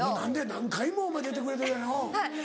何回もお前出てくれてるやない。